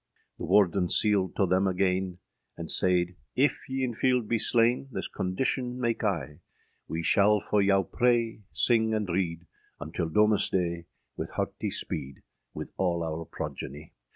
The Warden sealed toe thayme againe, And sayde, âIf ye in fielde be slaine, This condition make I: âWee shall for yow praye, syng, and reade, Until Domesdaye wyth heartye speede, With al our progenie.